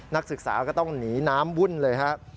นักศึกษาก็ต้องหนีน้ำวุ่นเลยครับ